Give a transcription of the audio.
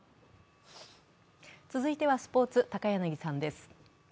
続いてはスポーツ、高柳さんです。